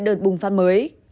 đợt bùng phát mới